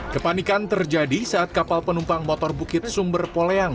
kepanikan terjadi saat kapal penumpang motor bukit sumber poleyang